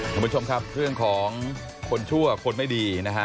คุณผู้ชมครับเรื่องของคนชั่วคนไม่ดีนะฮะ